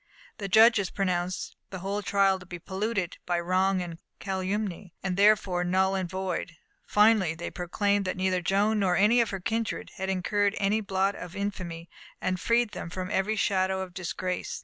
The judges pronounced the whole trial to be polluted by wrong and calumny, and therefore null and void; finally, they proclaimed that neither Joan nor any of her kindred had incurred any blot of infamy, and freed them from every shadow of disgrace.